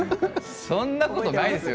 そんなことないですよ。